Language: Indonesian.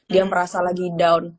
dia merasa lagi down